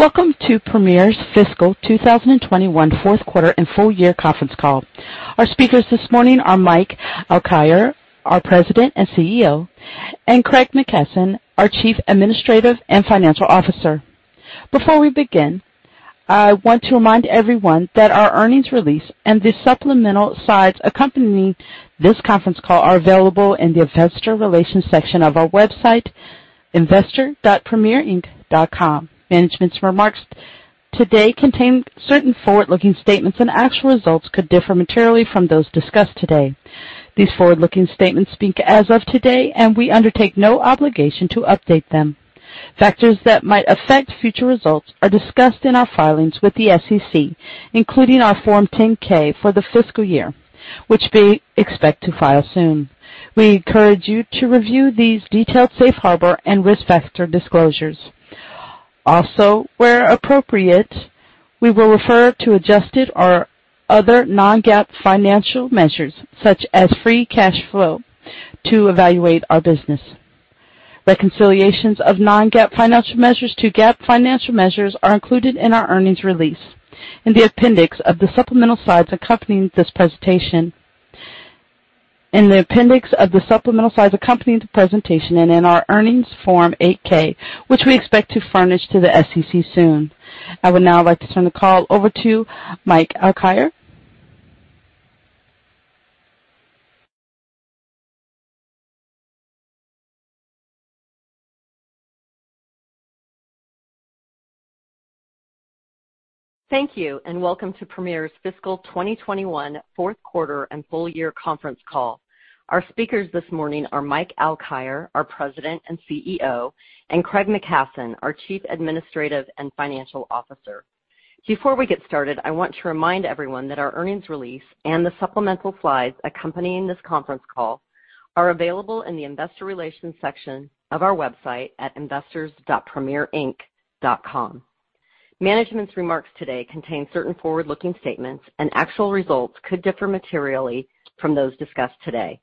Welcome to Premier's Fiscal 2021 Fourth Quarter and Full-Year Conference Call. Our speakers this morning are Mike Alkire, our President and CEO, and Craig McKasson, our Chief Administrative and Financial Officer. Before we begin, I want to remind everyone that our earnings release and the supplemental slides accompanying this conference call are available in the investor relations section of our website, investors.premierinc.com. Management's remarks today contain certain forward-looking statements, and actual results could differ materially from those discussed today. These forward-looking statements speak as of today, and we undertake no obligation to update them. Factors that might affect future results are discussed in our filings with the SEC, including our Form 10-K for the fiscal year, which we expect to file soon. We encourage you to review these detailed safe harbor and risk factor disclosures. Also, where appropriate, we will refer to adjusted or other non-GAAP financial measures, such as free cash flow, to evaluate our business. Reconciliations of non-GAAP financial measures to GAAP financial measures are included in our earnings release, in the appendix of the supplemental slides accompanying this presentation, in the appendix of the supplemental slides accompanying the presentation, and in our earnings Form 8-K, which we expect to furnish to the SEC soon. I would now like to turn the call over to Mike Alkire. Thank you, and welcome to Premier's Fiscal 2021 Fourth Quarter and Full-Year Conference Call. Our speakers this morning are Mike Alkire, our President and CEO, and Craig McKasson, our Chief Administrative and Financial Officer. Before we get started, I want to remind everyone that our earnings release and the supplemental slides accompanying this conference call are available in the investor relations section of our website at investors.premierinc.com. Management's remarks today contain certain forward-looking statements, and actual results could differ materially from those discussed today.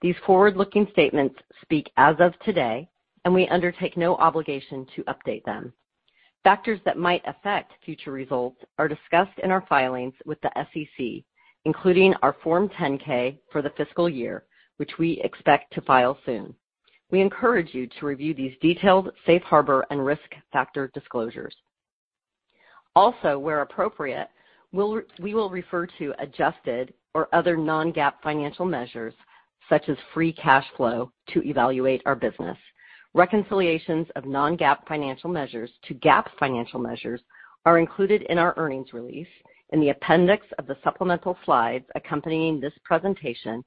These forward-looking statements speak as of today, and we undertake no obligation to update them. Factors that might affect future results are discussed in our filings with the SEC, including our Form 10-K for the fiscal year, which we expect to file soon. We encourage you to review these detailed safe harbor and risk factor disclosures. Also, where appropriate, we will refer to adjusted or other non-GAAP financial measures, such as free cash flow, to evaluate our business. Reconciliations of non-GAAP financial measures to GAAP financial measures are included in our earnings release in the appendix of the supplemental slides accompanying this presentation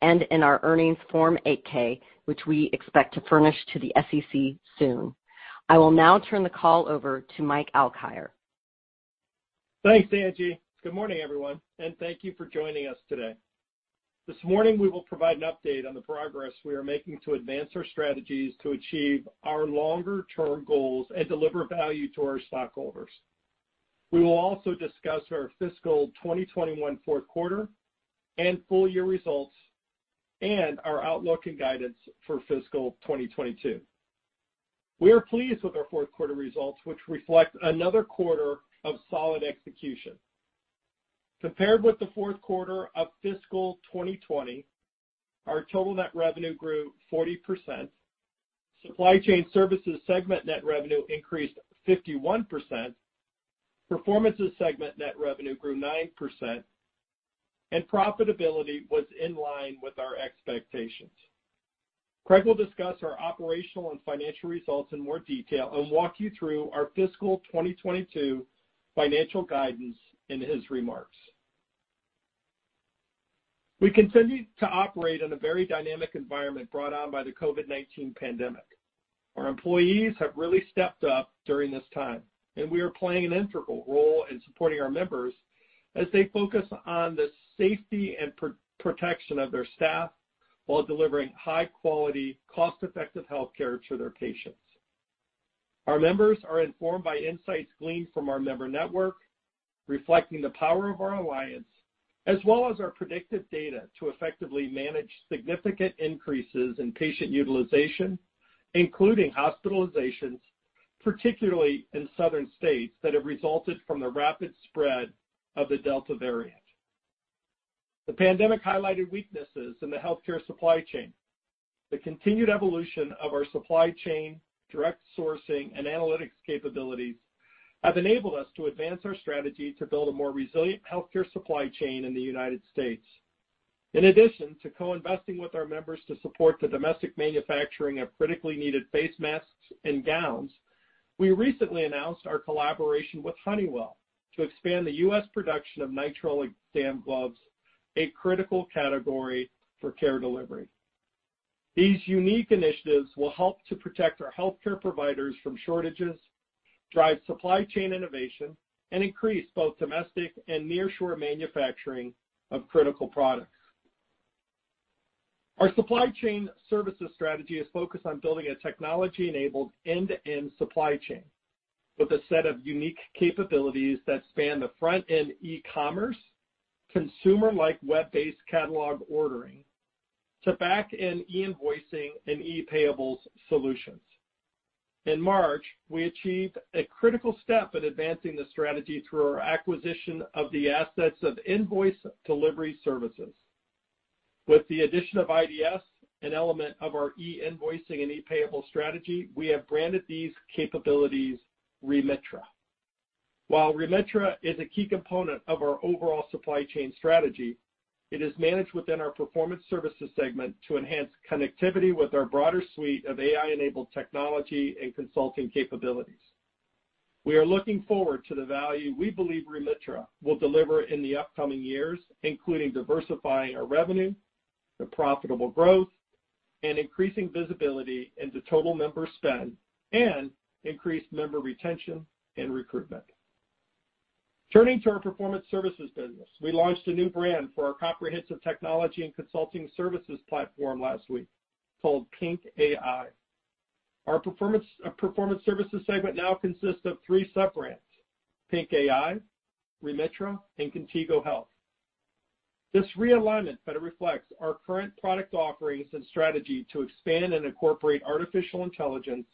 and in our earnings Form 8-K, which we expect to furnish to the SEC soon. I will now turn the call over to Mike Alkire. Thanks, Angie. Good morning, everyone. Thank you for joining us today. This morning, we will provide an update on the progress we are making to advance our strategies to achieve our longer-term goals and deliver value to our stockholders. We will also discuss our fiscal 2021 fourth quarter and full-year results and our outlook and guidance for fiscal 2022. We are pleased with our fourth quarter results, which reflect another quarter of solid execution. Compared with the fourth quarter of fiscal 2020, our total net revenue grew 40%, supply chain services segment net revenue increased 51%, performances segment net revenue grew 9%, and profitability was in line with our expectations. Craig will discuss our operational and financial results in more detail and walk you through our fiscal 2022 financial guidance in his remarks. We continue to operate in a very dynamic environment brought on by the COVID-19 pandemic. Our employees have really stepped up during this time, and we are playing an integral role in supporting our members as they focus on the safety and protection of their staff while delivering high-quality, cost-effective healthcare to their patients. Our members are informed by insights gleaned from our member network, reflecting the power of our alliance, as well as our predictive data, to effectively manage significant increases in patient utilization, including hospitalizations, particularly in southern states, that have resulted from the rapid spread of the Delta variant. The pandemic highlighted weaknesses in the healthcare supply chain. The continued evolution of our supply chain, direct sourcing, and analytics capabilities have enabled us to advance our strategy to build a more resilient healthcare supply chain in the United States. In addition to co-investing with our members to support the domestic manufacturing of critically needed face masks and gowns, we recently announced our collaboration with Honeywell to expand the U.S. production of nitrile exam gloves, a critical category for care delivery. These unique initiatives will help to protect our healthcare providers from shortages, drive supply chain innovation, and increase both domestic and nearshore manufacturing of critical products. Our supply chain services strategy is focused on building a technology-enabled end-to-end supply chain. With a set of unique capabilities that span the front-end e-commerce, consumer-like web-based catalog ordering to back-end e-invoicing and e-payables solutions. In March, we achieved a critical step in advancing the strategy through our acquisition of the assets of Invoice Delivery Services. With the addition of IDS, an element of our e-invoicing and e-payables strategy, we have branded these capabilities Remitra. While Remitra is a key component of our overall supply chain strategy, it is managed within our Performance Services segment to enhance connectivity with our broader suite of AI-enabled technology and consulting capabilities. We are looking forward to the value we believe Remitra will deliver in the upcoming years, including diversifying our revenue, the profitable growth, and increasing visibility into total member spend, and increased member retention and recruitment. Turning to our Performance Services business. We launched a new brand for our comprehensive technology and consulting services platform last week, called PINC AI. Our Performance Services segment now consists of three sub-brands, PINC AI, Remitra, and Contigo Health. This realignment better reflects our current product offerings and strategy to expand and incorporate artificial intelligence,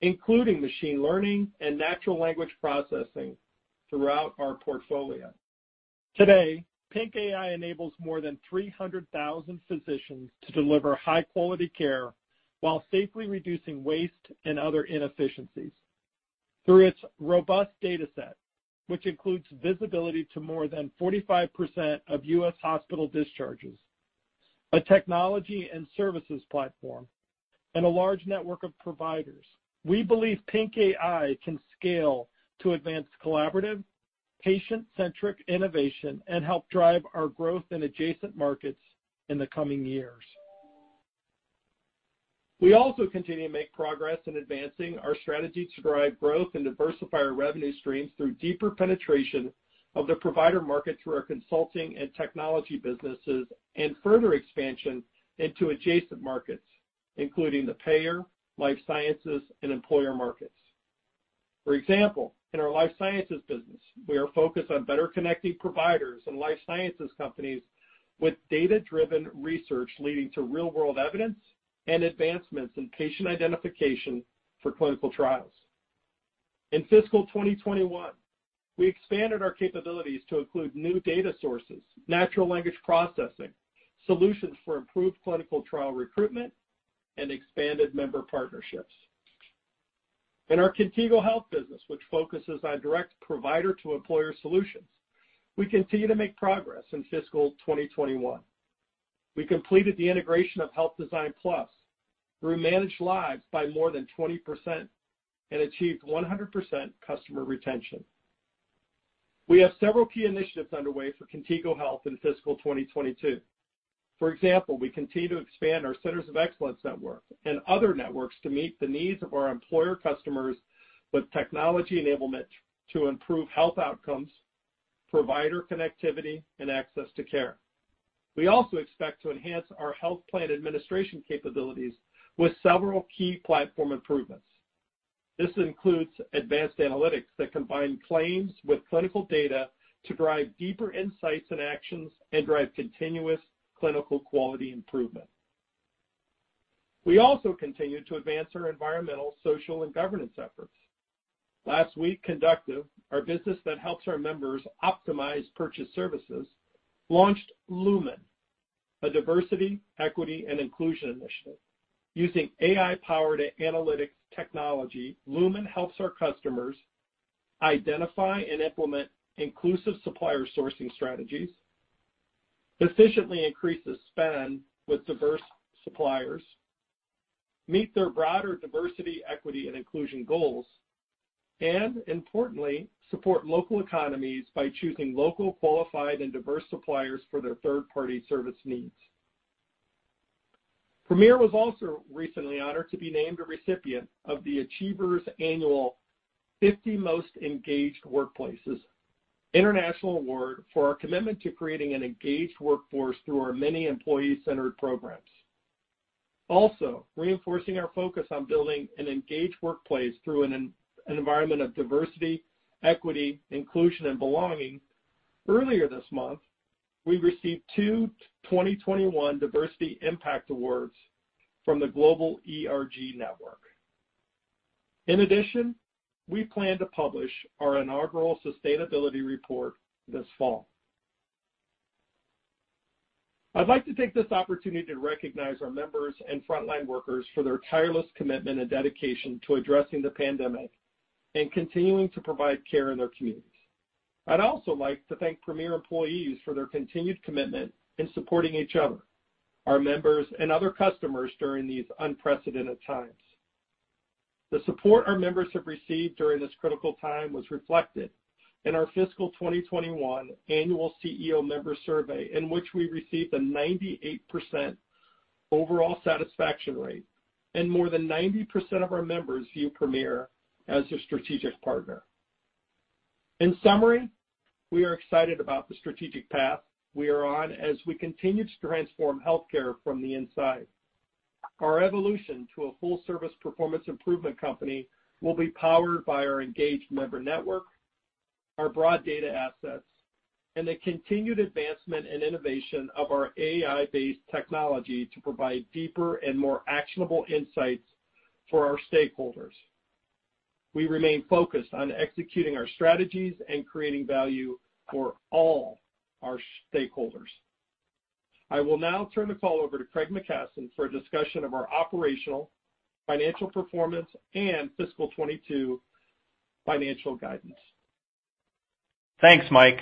including machine learning and natural language processing, throughout our portfolio. Today, PINC AI enables more than 300,000 physicians to deliver high-quality care while safely reducing waste and other inefficiencies. Through its robust data set, which includes visibility to more than 45% of U.S. hospital discharges, a technology and services platform, and a large network of providers, we believe PINC AI can scale to advance collaborative, patient-centric innovation and help drive our growth in adjacent markets in the coming years. We also continue to make progress in advancing our strategy to drive growth and diversify our revenue streams through deeper penetration of the provider market through our consulting and technology businesses, and further expansion into adjacent markets, including the payer, life sciences, and employer markets. For example, in our life sciences business, we are focused on better connecting providers and life sciences companies with data-driven research leading to real-world evidence and advancements in patient identification for clinical trials. In fiscal 2021, we expanded our capabilities to include new data sources, natural language processing, solutions for improved clinical trial recruitment, and expanded member partnerships. In our Contigo Health business, which focuses on direct provider to employer solutions, we continue to make progress in fiscal 2021. We completed the integration of Health Design Plus grew managed lives by more than 20% and achieved 100% customer retention. We have several key initiatives underway for Contigo Health in fiscal 2022. For example, we continue to expand our centers of excellence network and other networks to meet the needs of our employer customers with technology enablement to improve health outcomes, provider connectivity, and access to care. We also expect to enhance our health plan administration capabilities with several key platform improvements. This includes advanced analytics that combine claims with clinical data to drive deeper insights and actions and drive continuous clinical quality improvement. We also continue to advance our environmental, social, and governance efforts. Last week, Conductiv, our business that helps our members optimize purchased services, launched Lumen, a diversity, equity, and inclusion initiative. Using AI-powered analytics technology, Lumen helps our customers identify and implement inclusive supplier sourcing strategies, efficiently increases spend with diverse suppliers, meet their broader diversity, equity, and inclusion goals, and importantly, support local economies by choosing local, qualified, and diverse suppliers for their third-party service needs. Premier was also recently honored to be named a recipient of the Achievers Annual 50 Most Engaged Workplaces International Award for our commitment to creating an engaged workforce through our many employee-centered programs. Also, reinforcing our focus on building an engaged workplace through an environment of diversity, equity, inclusion, and belonging, earlier this month, we received two 2021 Diversity Impact Awards from the Global ERG Network. In addition, we plan to publish our inaugural sustainability report this fall. I'd like to take this opportunity to recognize our members and frontline workers for their tireless commitment and dedication to addressing the pandemic and continuing to provide care in their communities. I'd also like to thank Premier employees for their continued commitment in supporting each other, our members, and other customers during these unprecedented times. The support our members have received during this critical time was reflected in our fiscal 2021 annual CEO member survey, in which we received a 98% overall satisfaction rate and more than 90% of our members view Premier as their strategic partner. In summary, we are excited about the strategic path we are on as we continue to transform healthcare from the inside. Our evolution to a full-service performance improvement company will be powered by our engaged member network, our broad data assets, and the continued advancement and innovation of our AI-based technology to provide deeper and more actionable insights for our stakeholders. We remain focused on executing our strategies and creating value for all our stakeholders. I will now turn the call over to Craig McKasson for a discussion of our operational, financial performance, and fiscal 2022 financial guidance. Thanks, Mike.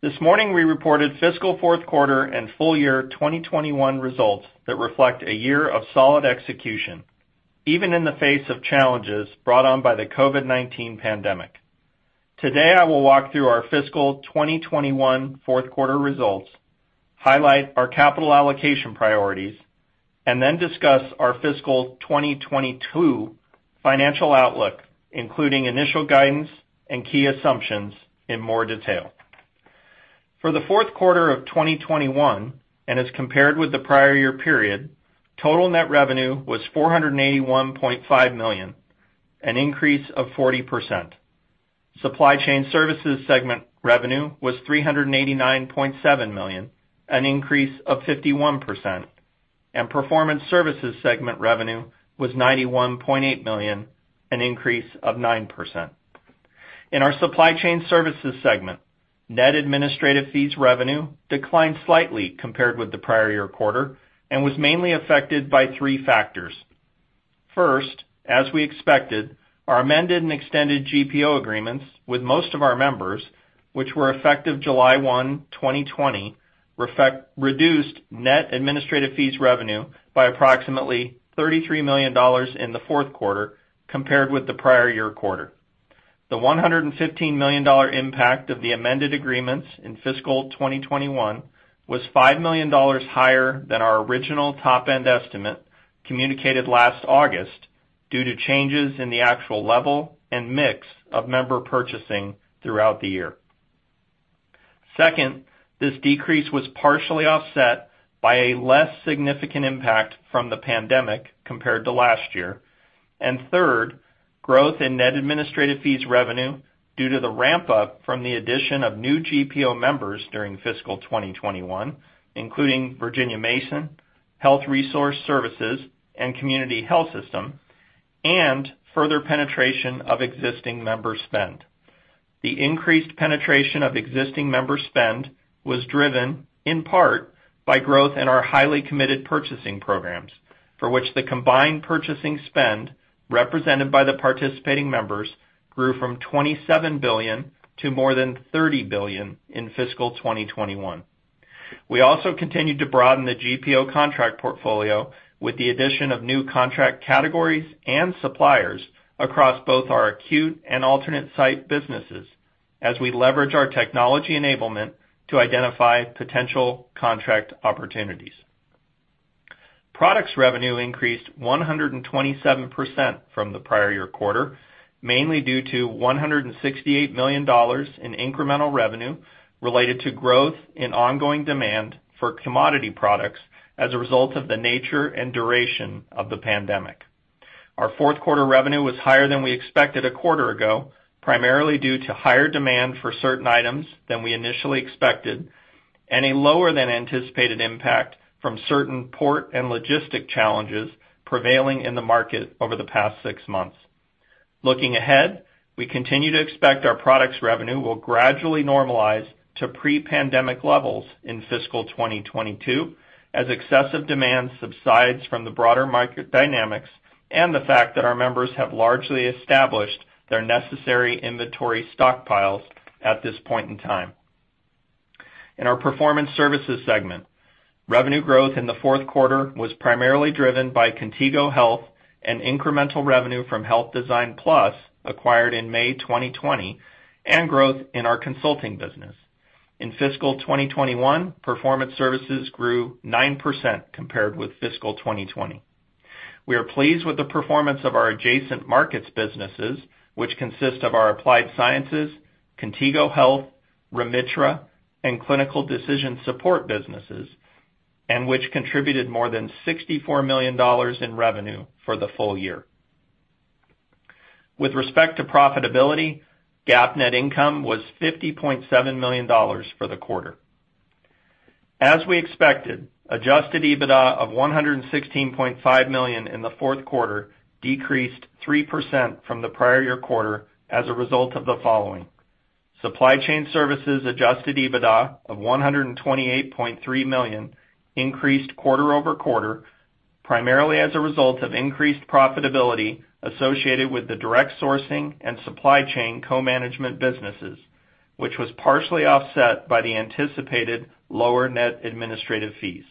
This morning, we reported fiscal fourth quarter and full-year 2021 results that reflect a year of solid execution, even in the face of challenges brought on by the COVID-19 pandemic. Today, I will walk through our fiscal 2021 fourth quarter results, highlight our capital allocation priorities, and then discuss our fiscal 2022 financial outlook, including initial guidance and key assumptions in more detail. For the fourth quarter of 2021, and as compared with the prior year period, total net revenue was $481.5 million, an increase of 40%. Supply chain services segment revenue was $389.7 million, an increase of 51%, and performance services segment revenue was $91.8 million, an increase of 9%. In our supply chain services segment, net administrative fees revenue declined slightly compared with the prior year quarter and was mainly affected by three factors. First, as we expected, our amended and extended GPO agreements with most of our members, which were effective 1st July 2020, reduced net administrative fees revenue by approximately $33 million in the fourth quarter compared with the prior year quarter. The $115 million impact of the amended agreements in fiscal 2021 was $5 million higher than our original top-end estimate communicated last August due to changes in the actual level and mix of member purchasing throughout the year. Second, this decrease was partially offset by a less significant impact from the pandemic compared to last year. Third, growth in net administrative fees revenue due to the ramp-up from the addition of new GPO members during fiscal 2021, including Virginia Mason, Health Resource Services, and Community Health Systems, and further penetration of existing member spend. The increased penetration of existing member spend was driven, in part, by growth in our highly committed purchasing programs, for which the combined purchasing spend represented by the participating members grew from $27 billion to more than $30 billion in fiscal 2021. We also continued to broaden the GPO contract portfolio with the addition of new contract categories and suppliers across both our acute and alternate site businesses as we leverage our technology enablement to identify potential contract opportunities. Products revenue increased 127% from the prior year quarter, mainly due to $168 million in incremental revenue related to growth in ongoing demand for commodity products as a result of the nature and duration of the pandemic. Our fourth quarter revenue was higher than we expected a quarter ago, primarily due to higher demand for certain items than we initially expected and a lower than anticipated impact from certain port and logistic challenges prevailing in the market over the past six months. Looking ahead, we continue to expect our products revenue will gradually normalize to pre-pandemic levels in fiscal 2022 as excessive demand subsides from the broader market dynamics and the fact that our members have largely established their necessary inventory stockpiles at this point in time. In our Performance Services segment, revenue growth in the fourth quarter was primarily driven by Contigo Health and incremental revenue from Health Design Plus, acquired in May 2020, and growth in our consulting business. In fiscal 2021, Performance Services grew 9% compared with fiscal 2020. We are pleased with the performance of our adjacent markets businesses, which consist of our Applied Sciences, Contigo Health, Remitra, and clinical decision support businesses, and which contributed more than $64 million in revenue for the full-year. With respect to profitability, GAAP net income was $50.7 million for the quarter. As we expected, adjusted EBITDA of $116.5 million in the fourth quarter decreased 3% from the prior year quarter as a result of the following. Supply chain services adjusted EBITDA of $128.3 million increased quarter-over-quarter, primarily as a result of increased profitability associated with the direct sourcing and supply chain co-management businesses, which was partially offset by the anticipated lower net administrative fees.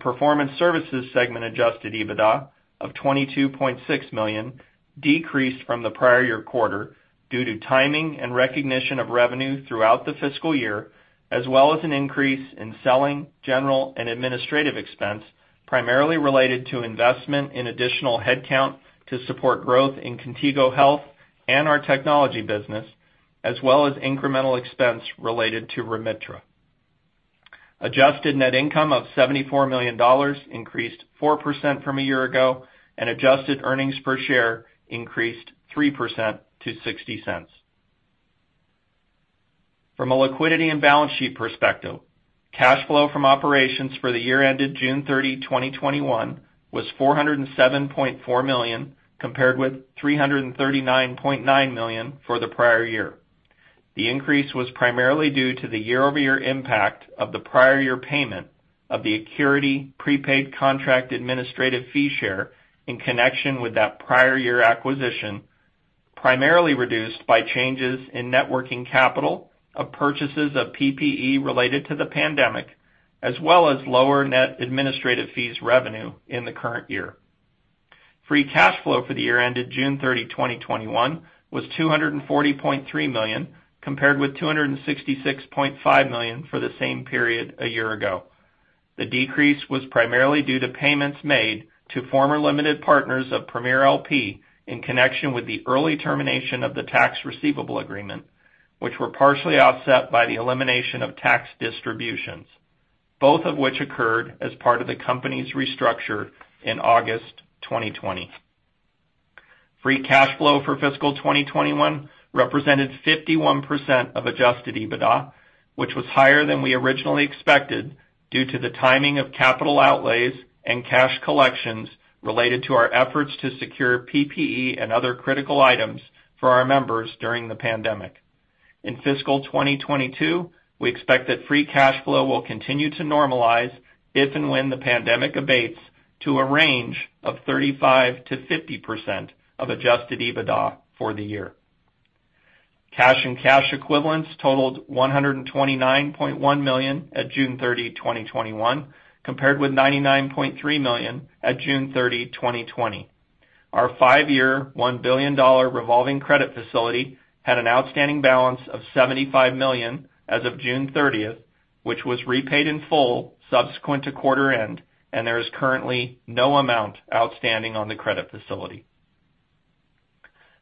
Performance Services Segment adjusted EBITDA of $22.6 million decreased from the prior year quarter due to timing and recognition of revenue throughout the fiscal year, as well as an increase in selling, general, and administrative expense, primarily related to investment in additional headcount to support growth in Contigo Health and our technology business, as well as incremental expense related to Remitra. Adjusted net income of $74 million increased 4% from a year ago, and adjusted earnings per share increased 3% to $0.60. From a liquidity and balance sheet perspective, cash flow from operations for the year ended 30 June 2021, was $407.4 million, compared with $339.9 million for the prior year. The increase was primarily due to the year-over-year impact of the prior year payment of the Acurity prepaid contract administrative fee share in connection with that prior year acquisition, primarily reduced by changes in net working capital of purchases of PPE related to the pandemic, as well as lower net administrative fees revenue in the current year. Free cash flow for the year ended 30 June 2021, was $240.3 million, compared with $266.5 million for the same period a year ago. The decrease was primarily due to payments made to former limited partners of Premier LP in connection with the early termination of the tax receivable agreement, which were partially offset by the elimination of tax distributions, both of which occurred as part of the company's restructure in August 2020. Free cash flow for fiscal 2021 represented 51% of adjusted EBITDA, which was higher than we originally expected due to the timing of capital outlays and cash collections related to our efforts to secure PPE and other critical items for our members during the pandemic. In fiscal 2022, we expect that free cash flow will continue to normalize if and when the pandemic abates to a range of 35%-50% of adjusted EBITDA for the year. Cash and cash equivalents totaled $129.1 million at 30 June 2021, compared with $99.3 million at 30 June 2020. Our five year, $1 billion revolving credit facility had an outstanding balance of $75 million as of June 30th, which was repaid in full subsequent to quarter end, and there is currently no amount outstanding on the credit facility.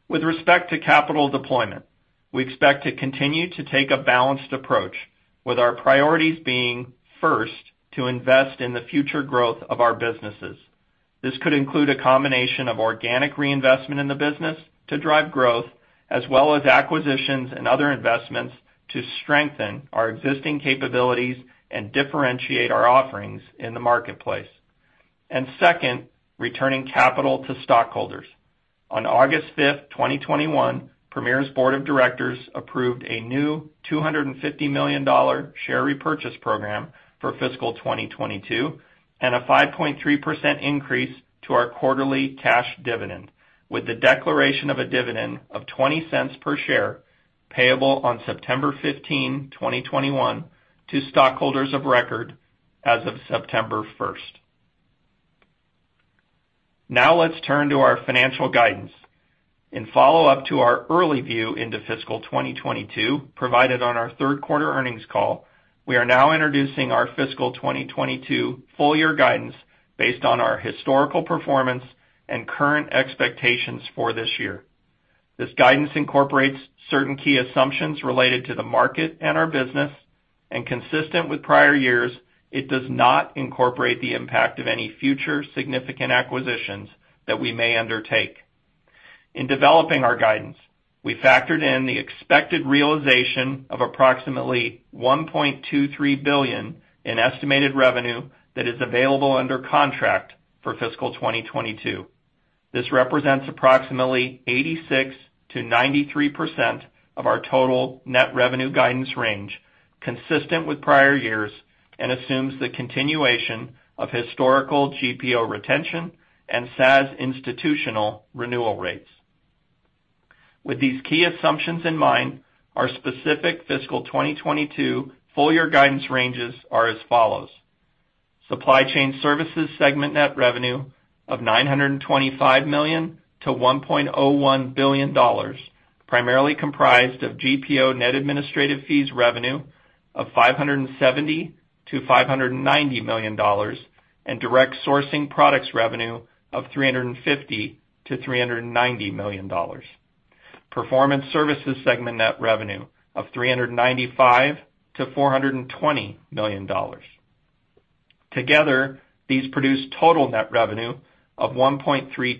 With respect to capital deployment, we expect to continue to take a balanced approach with our priorities being, first, to invest in the future growth of our businesses. This could include a combination of organic reinvestment in the business to drive growth, as well as acquisitions and other investments to strengthen our existing capabilities and differentiate our offerings in the marketplace. Second, returning capital to stockholders. On 5th August 2021, Premier's board of directors approved a new $250 million share repurchase program for fiscal 2022, and a 5.3% increase to our quarterly cash dividend, with the declaration of a dividend of $0.20 per share payable on 15 September 2021, to stockholders of record as of 1st September. Let's turn to our financial guidance. In follow-up to our early view into fiscal 2022 provided on our third quarter earnings call, we are now introducing our fiscal 2022 full-year guidance based on our historical performance and current expectations for this year. This guidance incorporates certain key assumptions related to the market and our business, and consistent with prior years, it does not incorporate the impact of any future significant acquisitions that we may undertake. In developing our guidance, we factored in the expected realization of approximately $1.23 billion in estimated revenue that is available under contract for fiscal 2022. This represents approximately 86%-93% of our total net revenue guidance range, consistent with prior years, and assumes the continuation of historical GPO retention and SaaS institutional renewal rates. With these key assumptions in mind, our specific fiscal 2022 full-year guidance ranges are as follows. Supply chain services segment net revenue of $925 million to $1.01 billion, primarily comprised of GPO net administrative fees revenue of $570 million to $590 million, and direct sourcing products revenue of $350 million to $390 million. Performance services segment net revenue of $395 million to $420 million. Together, these produce total net revenue of $1.32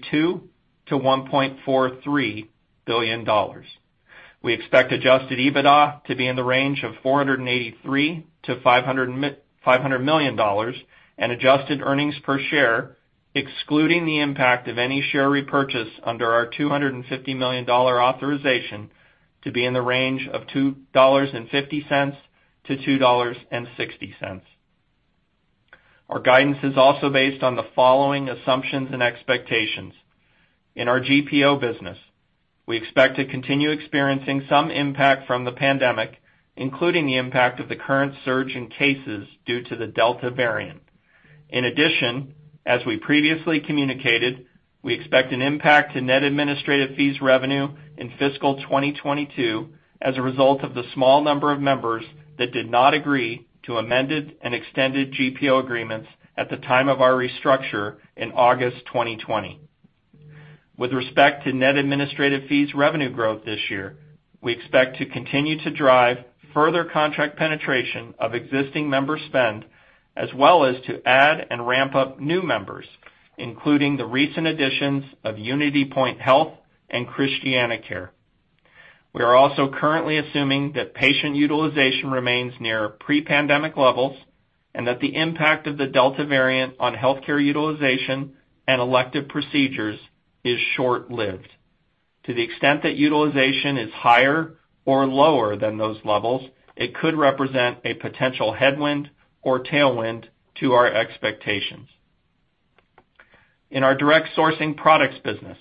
billion-$1.43 billion. We expect adjusted EBITDA to be in the range of $483 million to $500 million, and adjusted earnings per share, excluding the impact of any share repurchase under our $250 million authorization, to be in the range of $2.50-$2.60. Our guidance is also based on the following assumptions and expectations. In our GPO business, we expect to continue experiencing some impact from the pandemic, including the impact of the current surge in cases due to the Delta variant. As we previously communicated, we expect an impact to net administrative fees revenue in fiscal 2022 as a result of the small number of members that did not agree to amended and extended GPO agreements at the time of our restructure in August 2020. With respect to net administrative fees revenue growth this year, we expect to continue to drive further contract penetration of existing member spend, as well as to add and ramp up new members, including the recent additions of UnityPoint Health and ChristianaCare. We are also currently assuming that patient utilization remains near pre-pandemic levels, and that the impact of the Delta variant on healthcare utilization and elective procedures is short-lived. To the extent that utilization is higher or lower than those levels, it could represent a potential headwind or tailwind to our expectations. In our direct sourcing products business,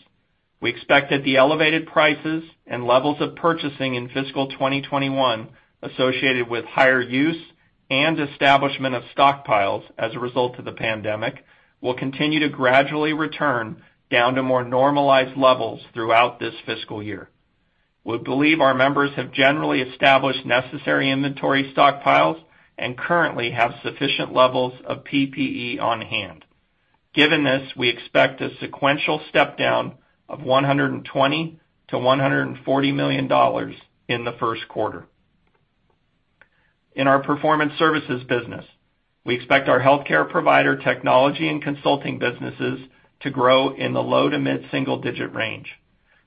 we expect that the elevated prices and levels of purchasing in fiscal 2021, associated with higher use and establishment of stockpiles as a result of the pandemic, will continue to gradually return down to more normalized levels throughout this fiscal year. We believe our members have generally established necessary inventory stockpiles, and currently have sufficient levels of PPE on hand. Given this, we expect a sequential step-down of $120 million to $140 million in the first quarter. In our performance services business, we expect our healthcare provider technology and consulting businesses to grow in the low to mid-single digit range.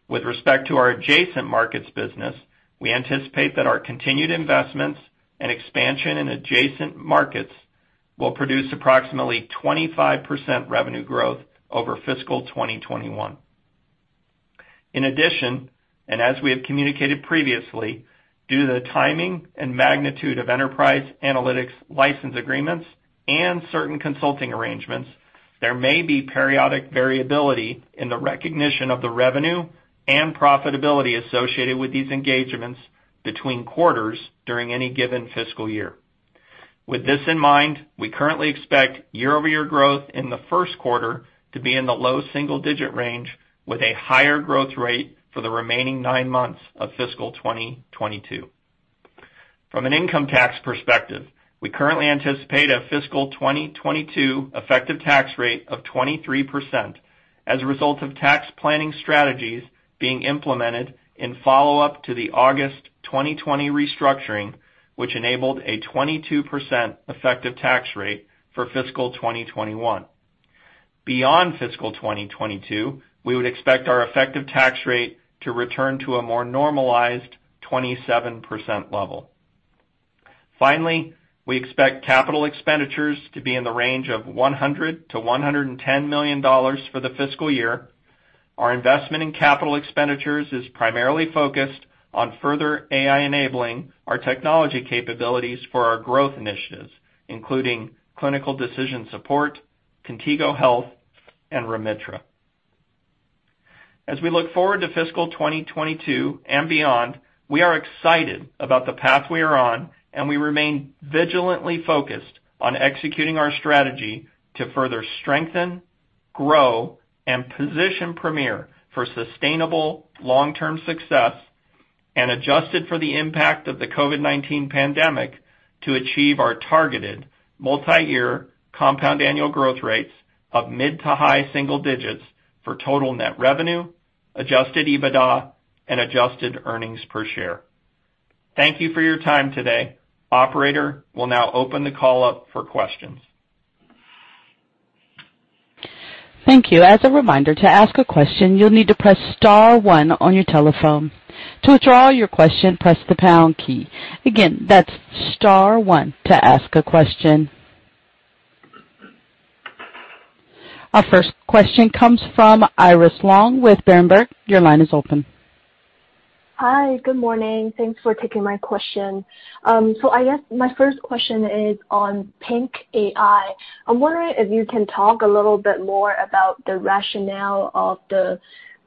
With respect to our adjacent markets business, we anticipate that our continued investments and expansion in adjacent markets will produce approximately 25% revenue growth over fiscal 2021. In addition, as we have communicated previously, due to the timing and magnitude of enterprise analytics license agreements and certain consulting arrangements, there may be periodic variability in the recognition of the revenue and profitability associated with these engagements between quarters during any given fiscal year. With this in mind, we currently expect year-over-year growth in the first quarter to be in the low single digit range, with a higher growth rate for the remaining nine months of fiscal 2022. From an income tax perspective, we currently anticipate a fiscal 2022 effective tax rate of 23%, as a result of tax planning strategies being implemented in follow-up to the August 2020 restructuring, which enabled a 22% effective tax rate for fiscal 2021. Beyond fiscal 2022, we would expect our effective tax rate to return to a more normalized 27% level. We expect capital expenditures to be in the range of $100 million to $110 million for the fiscal year. Our investment in capital expenditures is primarily focused on further AI-enabling our technology capabilities for our growth initiatives, including clinical decision support, Contigo Health, and Remitra. As we look forward to fiscal 2022 and beyond, we are excited about the path we are on, we remain vigilantly focused on executing our strategy to further strengthen, grow, and position Premier for sustainable long-term success, and adjusted for the impact of the COVID-19 pandemic to achieve our targeted multi-year compound annual growth rates of mid to high single digits for total net revenue, adjusted EBITDA, and adjusted earnings per share. Thank you for your time today. Operator, we'll now open the call up for questions. Thank you. As a reminder, to ask a question, you'll need to press star one on your telephone. To withdraw your question, press the star key. Again, that's star one to ask a question. Our first question comes from Iris Long with Berenberg. Your line is open. Hi. Good morning. Thanks for taking my question. I guess my first question is on PINC AI. I'm wondering if you can talk a little bit more about the rationale of the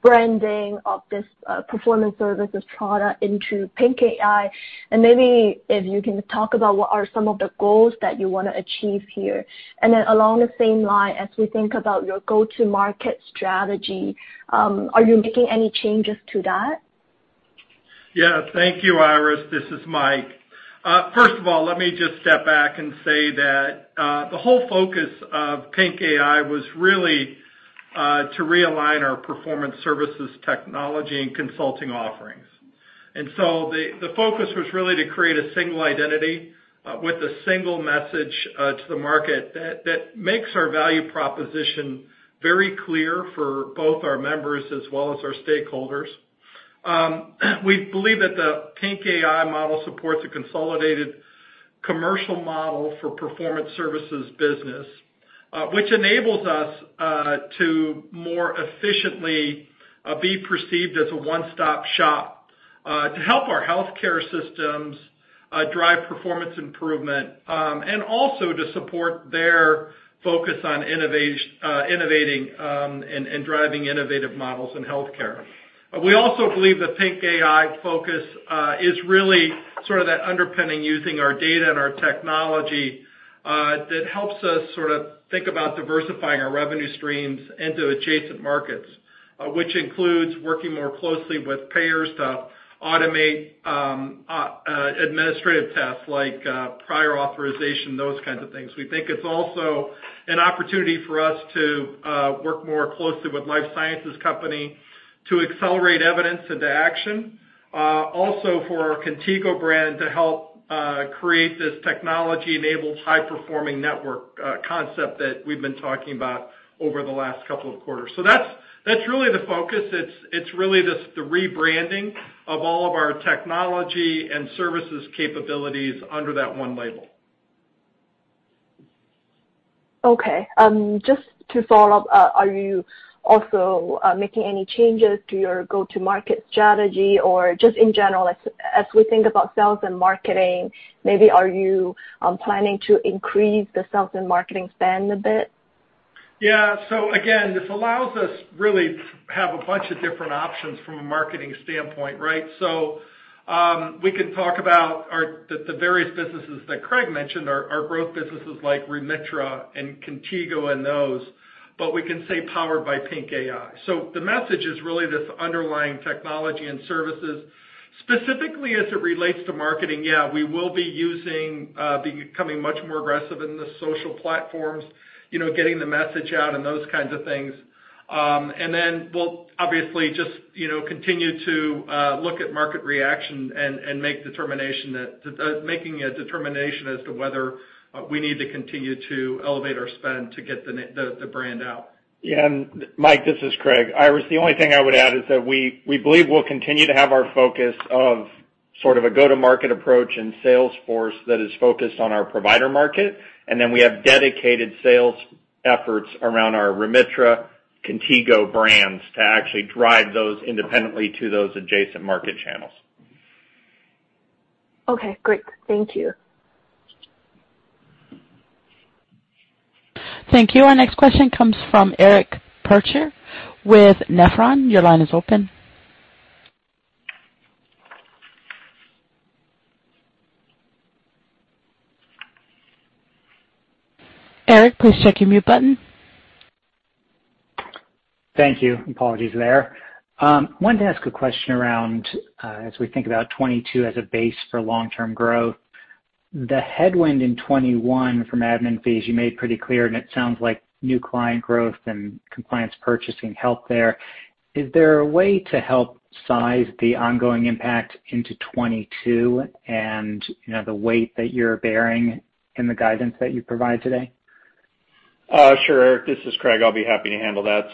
branding of this performance services product into PINC AI, and maybe if you can talk about what are some of the goals that you want to achieve here. Along the same line, as we think about your go-to market strategy, are you making any changes to that? Thank you, Iris. This is Mike. First of all, let me just step back and say that the whole focus of PINC AI was really to realign our performance services technology and consulting offerings. The focus was really to create a single identity, with a single message, to the market that makes our value proposition very clear for both our members as well as our stakeholders. We believe that the PINC AI model supports a consolidated commercial model for performance services business, which enables us to more efficiently be perceived as a one-stop shop, to help our healthcare systems drive performance improvement, and also to support their focus on innovating, and driving innovative models in healthcare. We also believe the PINC AI focus is really sort of that underpinning using our data and our technology, that helps us sort of think about diversifying our revenue streams into adjacent markets, which includes working more closely with payers to automate administrative tasks like prior authorization, those kinds of things. We think it's also an opportunity for us to work more closely with life sciences company to accelerate evidence into action. For our Contigo brand to help create this technology-enabled, high-performing network concept that we've been talking about over the last couple of quarters. That's really the focus. It's really just the rebranding of all of our technology and services capabilities under that one label. Okay. Just to follow up, are you also making any changes to your go-to market strategy? Just in general as we think about sales and marketing, maybe are you planning to increase the sales and marketing spend a bit? Yeah. Again, this allows us really to have a bunch of different options from a marketing standpoint, right? We can talk about the various businesses that Craig mentioned, our growth businesses like Remitra and Contigo and those, but we can say powered by PINC AI. The message is really this underlying technology and services. Specifically as it relates to marketing, yeah, we will be becoming much more aggressive in the social platforms, getting the message out and those kinds of things. We'll obviously just continue to look at market reaction and making a determination as to whether we need to continue to elevate our spend to get the brand out. Yeah, Mike, this is Craig. Iris, the only thing I would add is that we believe we'll continue to have our focus of sort of a go-to-market approach in sales force that is focused on our provider market, and then we have dedicated sales efforts around our Remitra, Contigo brands to actually drive those independently to those adjacent market channels. Okay, great. Thank you. Thank you. Our next question comes from Eric Percher with Nephron. Your line is open. Eric, please check your mute button. Thank you. Apologies there. Wanted to ask a question around, as we think about 2022 as a base for long-term growth, the headwind in 2021 from admin fees, you made pretty clear, and it sounds like new client growth and compliance purchasing helped there. Is there a way to help size the ongoing impact into 2022 and the weight that you're bearing in the guidance that you provide today? Sure, Eric, this is Craig. I'll be happy to handle that.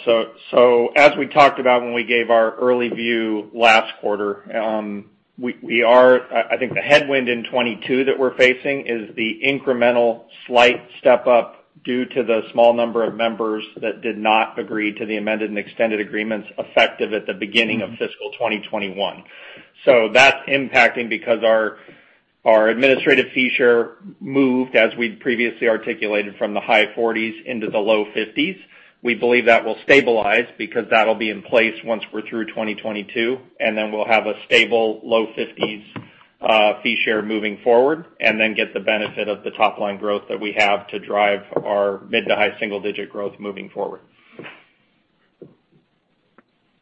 As we talked about when we gave our early view last quarter, I think the headwind in 2022 that we're facing is the incremental slight step up due to the small number of members that did not agree to the amended and extended agreements effective at the beginning of fiscal 2021. That's impacting because our administrative fee share moved as we'd previously articulated from the high 40s into the low 50s. We believe that will stabilize because that'll be in place once we're through 2022, and then we'll have a stable low 50s fee share moving forward, and then get the benefit of the top-line growth that we have to drive our mid to high single-digit growth moving forward.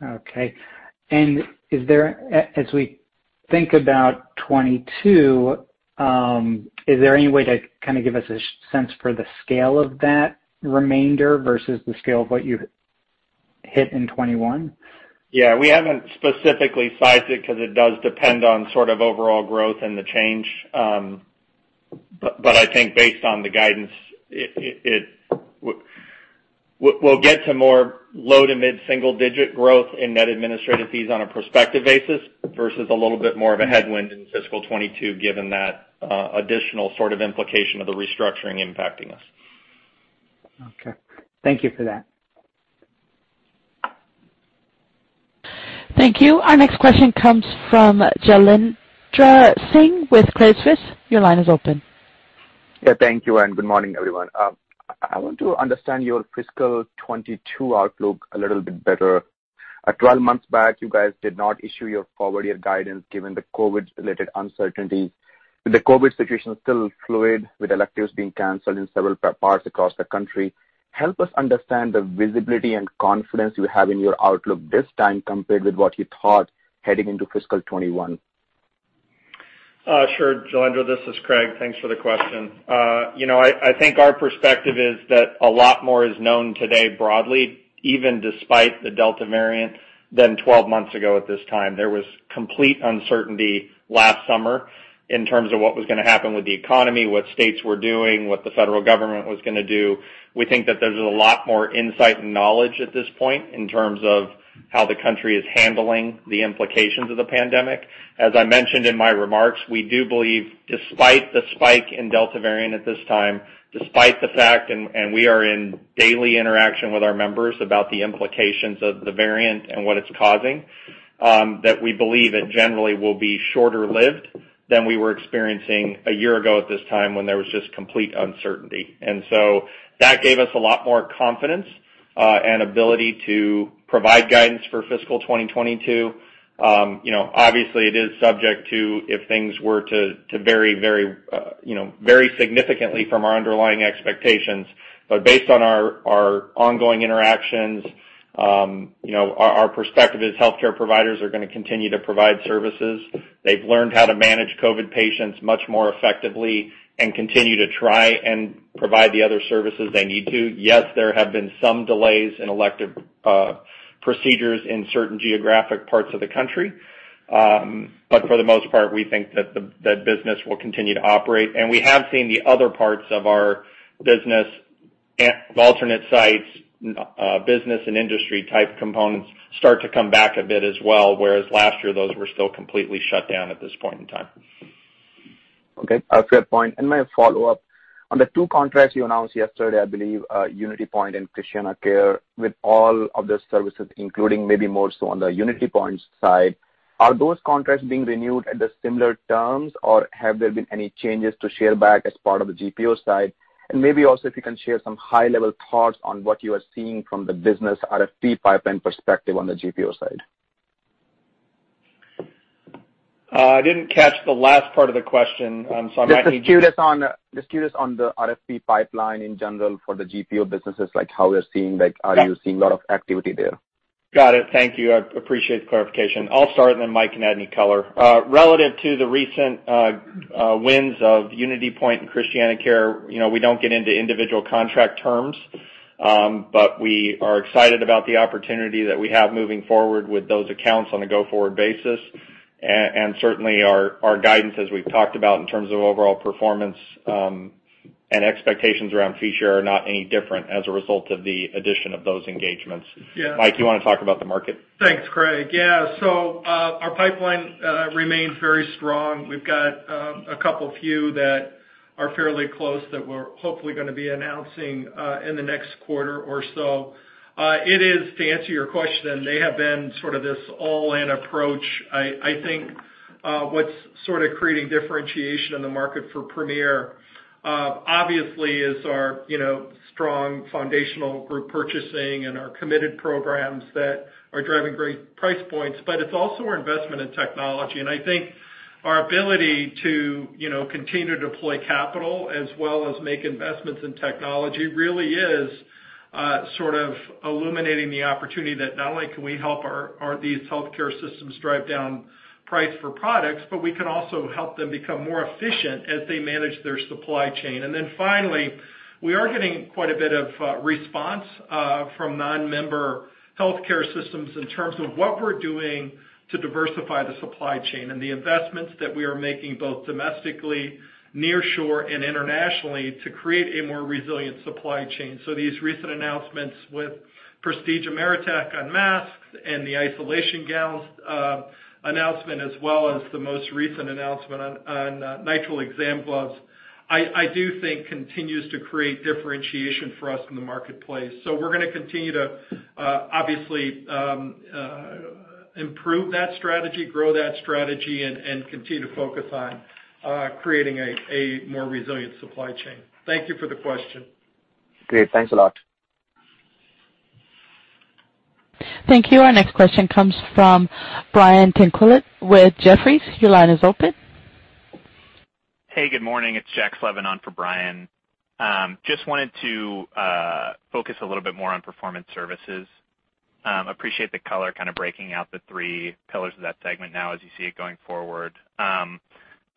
Okay. As we think about 2022, is there any way to kind of give us a sense for the scale of that remainder versus the scale of what you hit in 2021? Yeah. We haven't specifically sized it because it does depend on sort of overall growth and the change. I think based on the guidance, we'll get to more low to mid single-digit growth in net administrative fees on a prospective basis versus a little bit more of a headwind in fiscal 2022, given that additional sort of implication of the restructuring impacting us. Okay. Thank you for that. Thank you. Our next question comes from Jailendra Singh with Credit Suisse. Your line is open. Yeah, thank you, good morning, everyone. I want to understand your fiscal 2022 outlook a little bit better. 12 months back, you guys did not issue your forward-year guidance given the COVID-related uncertainty. With the COVID situation still fluid, with electives being canceled in several parts across the country, help us understand the visibility and confidence you have in your outlook this time compared with what you thought heading into fiscal 2021. Sure, Jailendra, this is Craig. Thanks for the question. I think our perspective is that a lot more is known today broadly, even despite the Delta variant, than 12 months ago at this time. There was complete uncertainty last summer in terms of what was going to happen with the economy, what states were doing, what the federal government was going to do. We think that there's a lot more insight and knowledge at this point in terms of how the country is handling the implications of the pandemic. As I mentioned in my remarks, we do believe despite the spike in Delta variant at this time, despite the fact, and we are in daily interaction with our members about the implications of the variant and what it's causing, that we believe it generally will be shorter-lived than we were experiencing a year ago at this time when there was just complete uncertainty. That gave us a lot more confidence and ability to provide guidance for fiscal 2022. Obviously, it is subject to if things were to vary significantly from our underlying expectations, but based on our ongoing interactions. Our perspective is healthcare providers are going to continue to provide services. They've learned how to manage COVID patients much more effectively and continue to try and provide the other services they need to. Yes, there have been some delays in elective procedures in certain geographic parts of the country. For the most part, we think that business will continue to operate. We have seen the other parts of our business, the alternate sites, business and industry type components, start to come back a bit as well, whereas last year, those were still completely shut down at this point in time. Okay. A fair point. My follow-up, on the two contracts you announced yesterday, I believe, UnityPoint and ChristianaCare, with all of the services, including maybe more so on the UnityPoint side, are those contracts being renewed at the similar terms, or have there been any changes to share back as part of the GPO side? Maybe also, if you can share some high-level thoughts on what you are seeing from the business RFP pipeline perspective on the GPO side. I didn't catch the last part of the question. Just curious on the RFP pipeline in general for the GPO businesses, like how we're seeing, are you seeing a lot of activity there? Got it. Thank you. I appreciate the clarification. I'll start, and then Mike can add any color. Relative to the recent wins of UnityPoint and ChristianaCare, we don't get into individual contract terms. We are excited about the opportunity that we have moving forward with those accounts on a go-forward basis. Certainly, our guidance, as we've talked about in terms of overall performance, and expectations around future are not any different as a result of the addition of those engagements. Yeah. Mike, you want to talk about the market? Thanks, Craig. Yeah. Our pipeline remains very strong. We've got a couple few that are fairly close that we're hopefully going to be announcing in the next quarter or so. It is, to answer your question, they have been sort of this all-in approach. I think what's sort of creating differentiation in the market for Premier, obviously, is our strong foundational group purchasing and our committed programs that are driving great price points, but it's also our investment in technology. I think our ability to continue to deploy capital as well as make investments in technology really is sort of illuminating the opportunity that not only can we help these healthcare systems drive down price for products, but we can also help them become more efficient as they manage their supply chain. Finally, we are getting quite a bit of response from non-member healthcare systems in terms of what we're doing to diversify the supply chain and the investments that we are making, both domestically, near shore, and internationally, to create a more resilient supply chain. These recent announcements with Prestige Ameritech on masks and the isolation gowns announcement, as well as the most recent announcement on nitrile exam gloves, I do think continues to create differentiation for us in the marketplace. We're going to continue to obviously, improve that strategy, grow that strategy, and continue to focus on creating a more resilient supply chain. Thank you for the question. Great. Thanks a lot. Thank you. Our next question comes from Brian Tanquilut with Jefferies. Your line is open. Hey, good morning. It's Jack Slevin on for Brian. Just wanted to focus a little bit more on performance services. Appreciate the color, kind of breaking out the three pillars of that segment now as you see it going forward.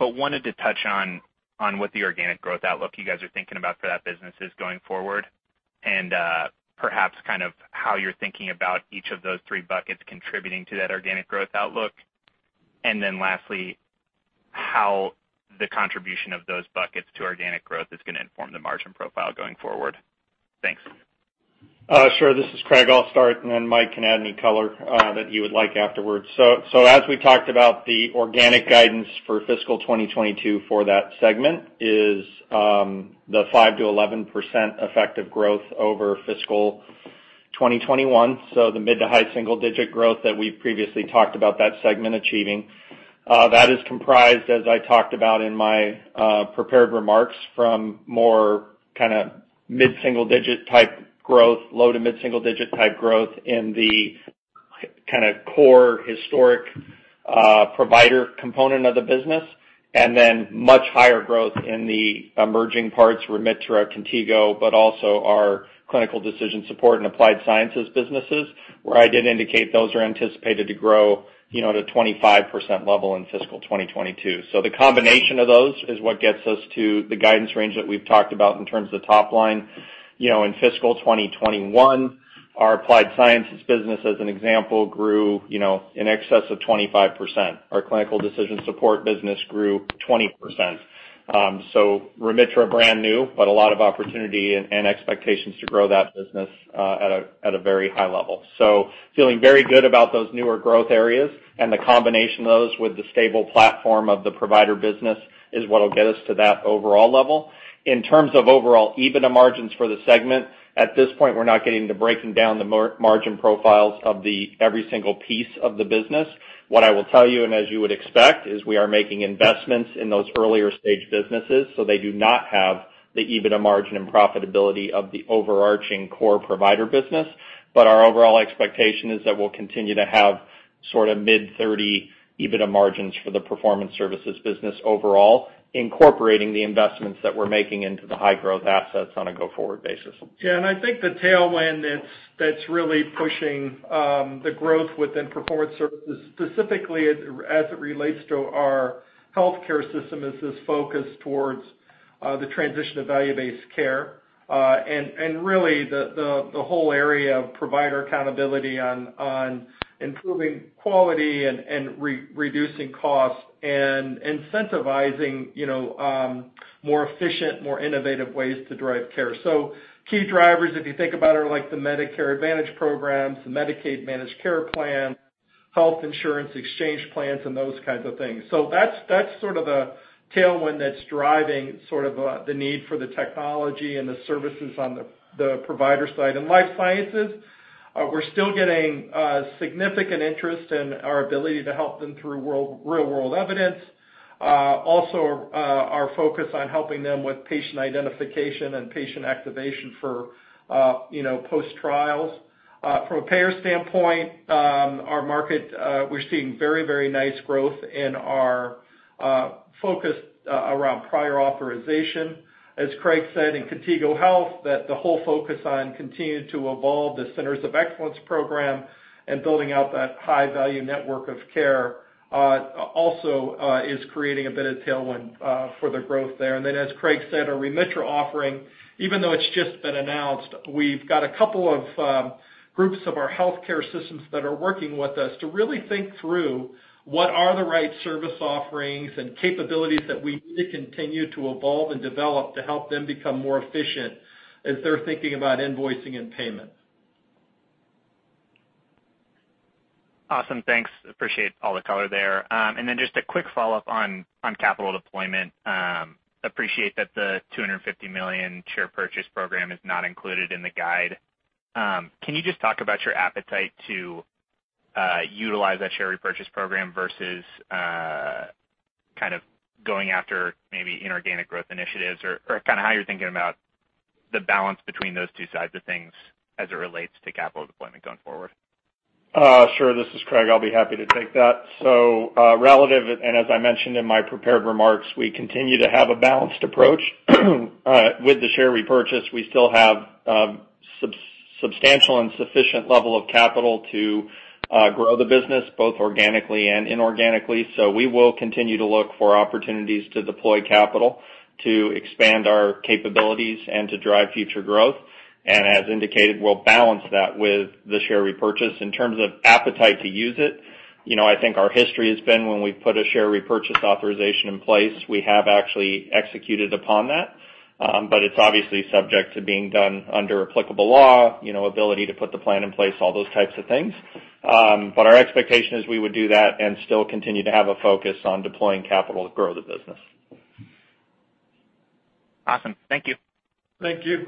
Wanted to touch on what the organic growth outlook you guys are thinking about for that business is going forward, and perhaps kind of how you're thinking about each of those three buckets contributing to that organic growth outlook. Lastly, how the contribution of those buckets to organic growth is going to inform the margin profile going forward. Thanks. Sure. This is Craig. I'll start, and then Mike can add any color that he would like afterwards. As we talked about the organic guidance for FY 2022 for that segment is the 5%-11% effective growth over FY 2021. The mid- to high-single-digit growth that we've previously talked about that segment achieving. That is comprised, as I talked about in my prepared remarks, from more mid-single-digit type growth, low- to mid-single-digit type growth in the core historic provider component of the business, and then much higher growth in the emerging parts, Remitra, Contigo Health, but also our clinical decision support and Premier Applied Sciences businesses, where I did indicate those are anticipated to grow at a 25% level in FY 2022. The combination of those is what gets us to the guidance range that we've talked about in terms of top line. In fiscal 2021, our Applied Sciences business, as an example, grew in excess of 25%. Our Clinical Decision Support business grew 20%. Remitra, brand new, but a lot of opportunity and expectations to grow that business at a very high level. Feeling very good about those newer growth areas and the combination of those with the stable platform of the provider business is what will get us to that overall level. In terms of overall EBITDA margins for the segment, at this point, we're not getting to breaking down the margin profiles of every single piece of the business. What I will tell you, and as you would expect, is we are making investments in those earlier-stage businesses, so they do not have the EBITDA margin and profitability of the overarching core provider business. Our overall expectation is that we'll continue to have sort of mid-30 EBITDA margins for the performance services business overall, incorporating the investments that we're making into the high growth assets on a go-forward basis. Yeah, I think the tailwind that's really pushing the growth within performance services, specifically as it relates to our healthcare system, is this focus towards the transition to value-based care. Really the whole area of provider accountability on improving quality and reducing costs and incentivizing more efficient, more innovative ways to drive care. Key drivers, if you think about it, are like the Medicare Advantage programs, the Medicaid managed care plan, health insurance exchange plans, and those kinds of things. That's sort of a tailwind that's driving sort of the need for the technology and the services on the provider side. In life sciences, we're still getting significant interest in our ability to help them through real-world evidence. Also, our focus on helping them with patient identification and patient activation for post-trials. From a payer standpoint, our market, we're seeing very nice growth in our focus around prior authorization. As Craig said, in Contigo Health, the whole focus on continuing to evolve the Centers of Excellence program and building out that high-value network of care, also is creating a bit of tailwind for the growth there. Then, as Craig said, our Remitra offering, even though it's just been announced, we've got a couple of groups of our healthcare systems that are working with us to really think through what are the right service offerings and capabilities that we need to continue to evolve and develop to help them become more efficient as they're thinking about invoicing and payment. Awesome. Thanks. Appreciate all the color there. Just a quick follow-up on capital deployment. Appreciate that the $250 million share purchase program is not included in the guide. Can you just talk about your appetite to utilize that share repurchase program versus kind of going after maybe inorganic growth initiatives? How you're thinking about the balance between those two sides of things as it relates to capital deployment going forward? Sure. This is Craig. I'll be happy to take that. Relative, and as I mentioned in my prepared remarks, we continue to have a balanced approach. With the share repurchase, we still have substantial and sufficient level of capital to grow the business, both organically and inorganically. We will continue to look for opportunities to deploy capital, to expand our capabilities, and to drive future growth. As indicated, we'll balance that with the share repurchase. In terms of appetite to use it, I think our history has been when we've put a share repurchase authorization in place, we have actually executed upon that. It's obviously subject to being done under applicable law, ability to put the plan in place, all those types of things. Our expectation is we would do that and still continue to have a focus on deploying capital to grow the business. Awesome. Thank you. Thank you.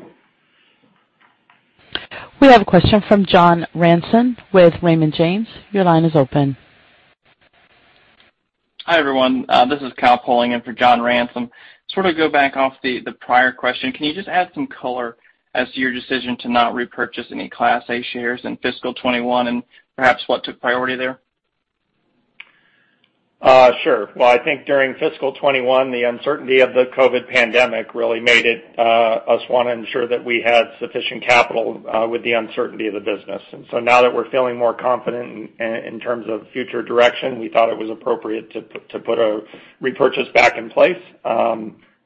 We have a question from John Ransom with Raymond James. Your line is open. Hi, everyone. This is Kyle Poling in for John Ransom. Sort of go back off the prior question, can you just add some color as to your decision to not repurchase any Class A shares in fiscal 2021 and perhaps what took priority there? Sure. Well, I think during fiscal 2021, the uncertainty of the COVID-19 pandemic really made us want to ensure that we had sufficient capital with the uncertainty of the business. Now that we're feeling more confident in terms of future direction, we thought it was appropriate to put a repurchase back in place.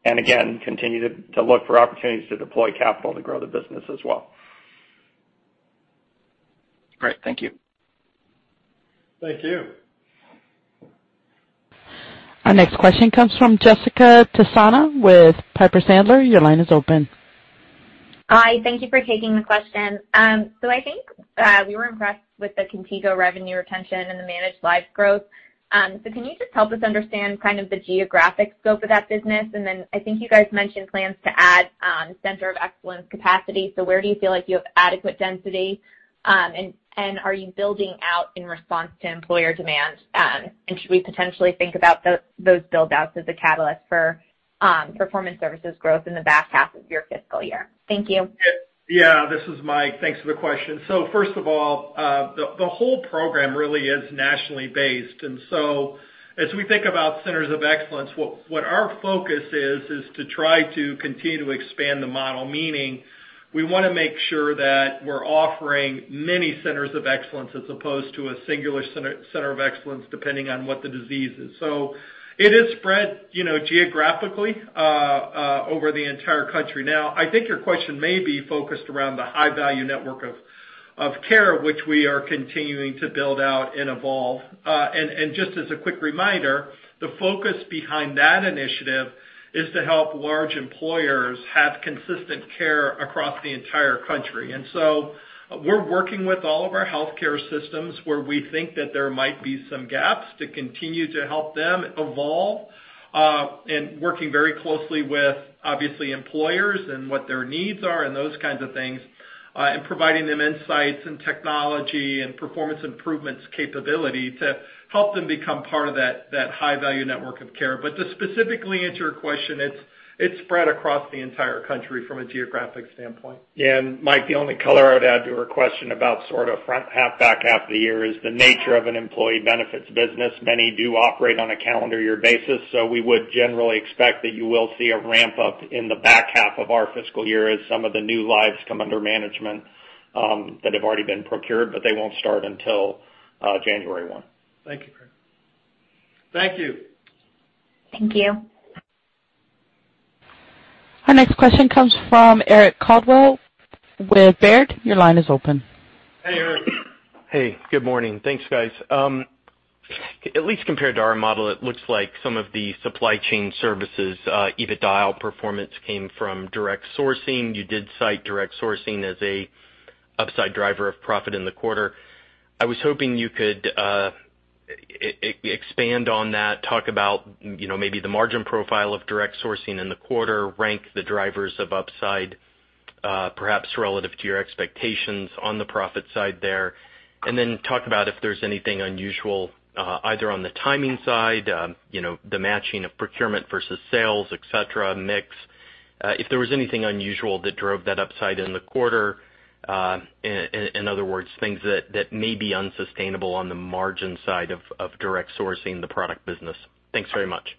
Again, continue to look for opportunities to deploy capital to grow the business as well. Great. Thank you. Thank you. Our next question comes from Jessica Tassan with Piper Sandler. Your line is open. Hi. Thank you for taking the question. I think we were impressed with the Contigo revenue retention and the managed lives growth. Can you just help us understand kind of the geographic scope of that business? I think you guys mentioned plans to add Center of Excellence capacity. Where do you feel like you have adequate density? Are you building out in response to employer demand? Should we potentially think about those build-outs as a catalyst for performance services growth in the back half of your fiscal year? Thank you. Yeah. This is Mike. Thanks for the question. First of all, the whole program really is nationally based. As we think about Centers of Excellence, what our focus is to try to continue to expand the model, meaning we want to make sure that we're offering many Centers of Excellence as opposed to a singular Center of Excellence, depending on what the disease is. It is spread geographically over the entire country. Now, I think your question may be focused around the High-Value Network of Care, which we are continuing to build out and evolve. Just as a quick reminder, the focus behind that initiative is to help large employers have consistent care across the entire country. We're working with all of our healthcare systems where we think that there might be some gaps to continue to help them evolve. Working very closely with obviously employers and what their needs are and those kinds of things, and providing them insights and technology and performance improvements capability to help them become part of that high-value network of care. To specifically answer your question, it's spread across the entire country from a geographic standpoint. Yeah, Mike, the only color I would add to her question about sort of front half, back half of the year is the nature of an employee benefits business. Many do operate on a calendar year basis. We would generally expect that you will see a ramp-up in the back half of our fiscal year as some of the new lives come under management that have already been procured, but they won't start until 1 January. Thank you, Craig. Thank you. Thank you. Our next question comes from Eric Coldwell with Baird. Your line is open. Hey, Eric. Hey, good morning. Thanks, guys. At least compared to our model, it looks like some of the supply chain services EBITDA performance came from direct sourcing. You did cite direct sourcing as a upside driver of profit in the quarter. I was hoping you could expand on that, talk about maybe the margin profile of direct sourcing in the quarter, rank the drivers of upside, perhaps relative to your expectations on the profit side there, and then talk about if there's anything unusual, either on the timing side, the matching of procurement versus sales, et cetera, mix, if there was anything unusual that drove that upside in the quarter. In other words, things that may be unsustainable on the margin side of direct sourcing the product business. Thanks very much.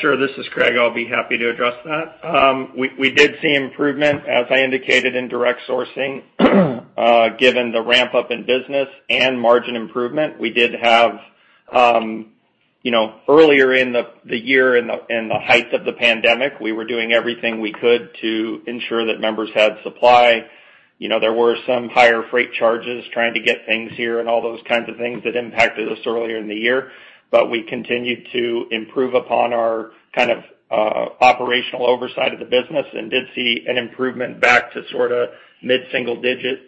Sure. This is Craig. I'll be happy to address that. We did see improvement, as I indicated, in direct sourcing given the ramp-up in business and margin improvement. Earlier in the year, in the height of the pandemic, we were doing everything we could to ensure that members had supply. There were some higher freight charges trying to get things here and all those kinds of things that impacted us earlier in the year. We continued to improve upon our operational oversight of the business and did see an improvement back to mid-single digit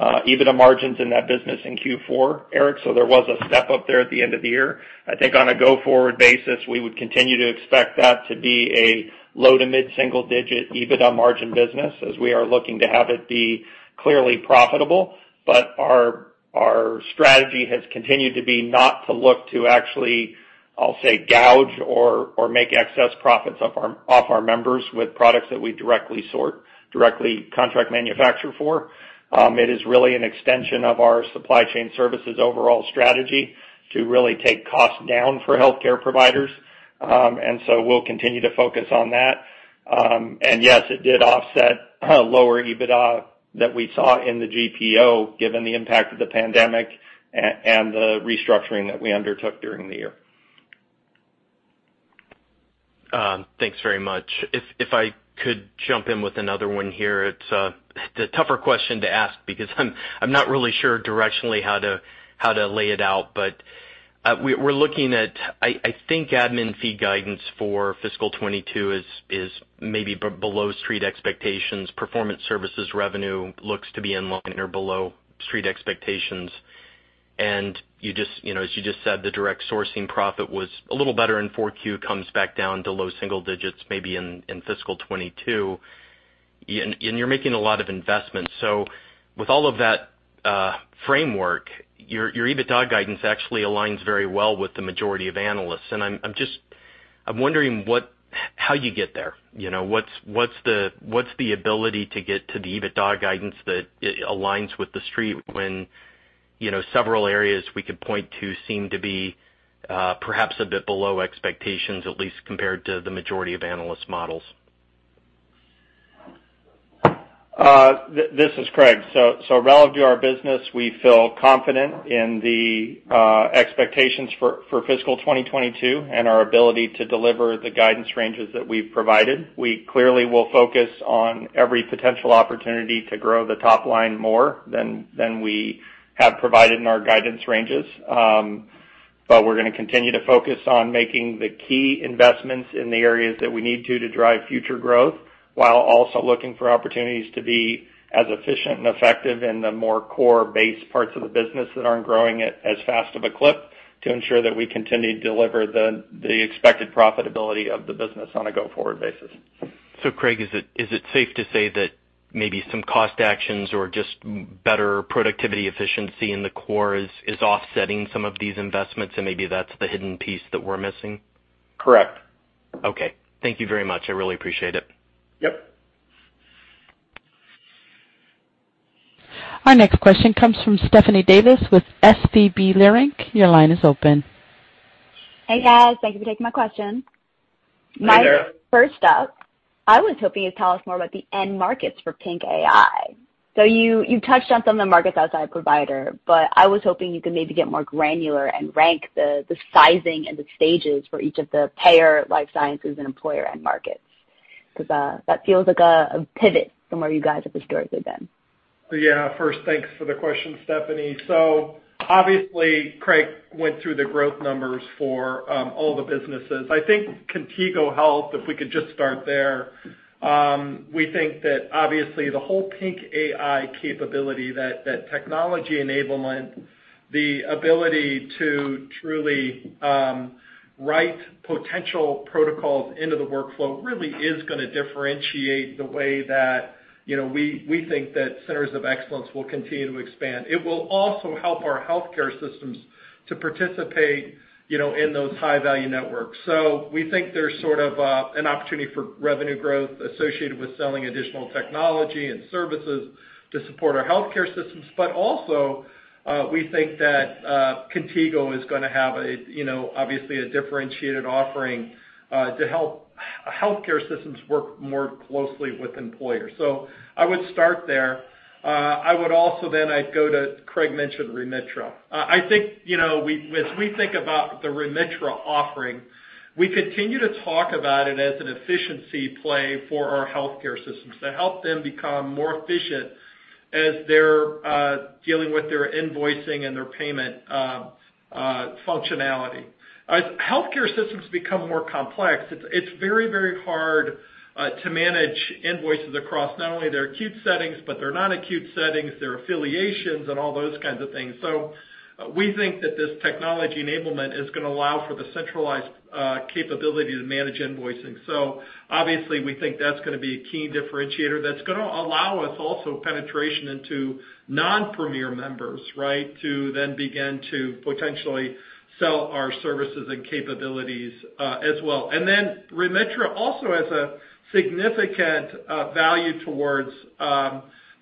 EBITDA margins in that business in Q4, Eric. There was a step-up there at the end of the year. I think on a go-forward basis, we would continue to expect that to be a low to mid-single digit EBITDA margin business, as we are looking to have it be clearly profitable. Our strategy has continued to be not to look to actually, I'll say, gouge or make excess profits off our members with products that we directly contract manufacture for. It is really an extension of our supply chain services overall strategy to really take costs down for healthcare providers, and so we'll continue to focus on that. Yes, it did offset lower EBITDA that we saw in the GPO, given the impact of the pandemic and the restructuring that we undertook during the year. Thanks very much. If I could jump in with another one here, it's the tougher question to ask, because I'm not really sure directionally how to lay it out. We're looking at, I think, admin fee guidance for fiscal 2022 is maybe below street expectations. Performance services revenue looks to be in line or below street expectations. As you just said, the direct sourcing profit was a little better in 4Q, comes back down to low single digits maybe in fiscal 2022. You're making a lot of investments. With all of that framework, your EBITDA guidance actually aligns very well with the majority of analysts. I'm wondering how you get there. What's the ability to get to the EBITDA guidance that aligns with the street when several areas we could point to seem to be perhaps a bit below expectations, at least compared to the majority of analyst models? This is Craig. Relevant to our business, we feel confident in the expectations for fiscal 2022 and our ability to deliver the guidance ranges that we've provided. We clearly will focus on every potential opportunity to grow the top line more than we have provided in our guidance ranges. We're going to continue to focus on making the key investments in the areas that we need to to drive future growth, while also looking for opportunities to be as efficient and effective in the more core base parts of the business that aren't growing at as fast of a clip to ensure that we continue to deliver the expected profitability of the business on a go-forward basis. Craig, is it safe to say that maybe some cost actions or just better productivity efficiency in the core is offsetting some of these investments, and maybe that's the hidden piece that we're missing? Correct. Thank you very much. I really appreciate it. Yep. Our next question comes from Stephanie Davis with SVB Leerink. Your line is open. Hey, guys. Thank you for taking my question. Hey there. First up, I was hoping you'd tell us more about the end markets for PINC AI. You touched on some of the markets outside provider, but I was hoping you could maybe get more granular and rank the sizing and the stages for each of the payer, life sciences, and employer end markets. That feels like a pivot from where you guys have historically been. Yeah. First, thanks for the question, Stephanie. Obviously, Craig went through the growth numbers for all the businesses. I think Contigo Health, if we could just start there. We think that obviously the whole PINC AI capability, that technology enablement, the ability to truly write potential protocols into the workflow really is going to differentiate the way that we think that centers of excellence will continue to expand. It will also help our healthcare systems to participate in those high-value networks. We think there's sort of an opportunity for revenue growth associated with selling additional technology and services to support our healthcare systems. Also, we think that Contigo is going to have, obviously, a differentiated offering to help I would start there. I would also then, I'd go to Craig mentioned Remitra. I think as we think about the Remitra offering, we continue to talk about it as an efficiency play for our healthcare systems to help them become more efficient as they're dealing with their invoicing and their payment functionality. As healthcare systems become more complex, it's very hard to manage invoices across not only their acute settings, but their non-acute settings, their affiliations, and all those kinds of things. We think that this technology enablement is going to allow for the centralized capability to manage invoicing. Obviously, we think that's going to be a key differentiator that's going to allow us also penetration into non-Premier members, right? To then begin to potentially sell our services and capabilities as well. Remitra also has a significant value towards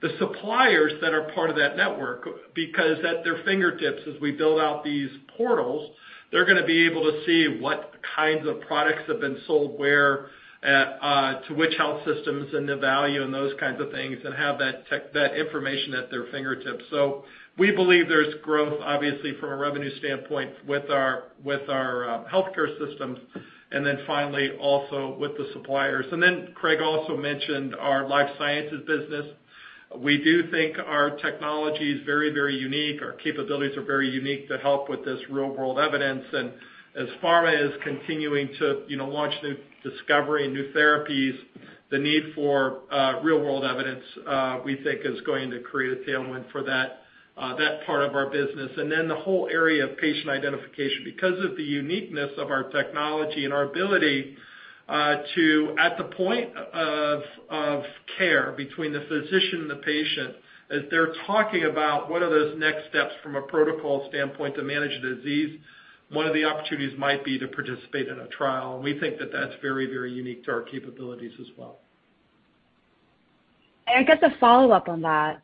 the suppliers that are part of that network because at their fingertips, as we build out these portals, they're going to be able to see what kinds of products have been sold where, to which health systems, and the value, and those kinds of things, and have that information at their fingertips. We believe there's growth, obviously, from a revenue standpoint with our healthcare systems, and then finally, also with the suppliers. Craig also mentioned our life sciences business. We do think our technology is very unique. Our capabilities are very unique to help with this real-world evidence. As pharma is continuing to launch new discovery and new therapies, the need for real-world evidence, we think, is going to create a tailwind for that part of our business. The whole area of patient identification. Because of the uniqueness of our technology and our ability to, at the point of care between the physician and the patient, as they're talking about what are those next steps from a protocol standpoint to manage the disease, one of the opportunities might be to participate in a trial. We think that that's very unique to our capabilities as well. I guess a follow-up on that,